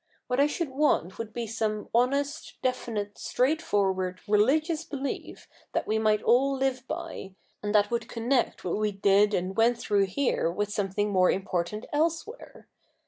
What I should want would be some honest, definite, straightforward, religious belief that we might all live by, and that would connect what we did and went through here with something more important elsewhere.